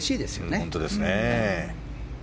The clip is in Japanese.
本当ですね。